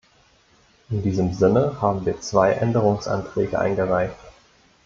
In diesem Sinne haben wir zwei Änderungsanträge eingereicht.